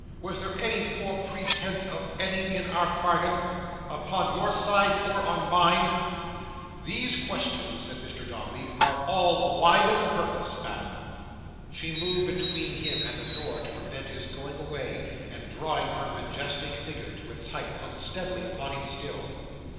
Was there any poor pretence of any in our bargain? Upon your side, or on mine?" "These questions," said Mr Dombey, "are all wide of the purpose, Madam." She moved between him and the door to prevent his going away, and drawing her majestic figure to its height, looked steadily upon him still.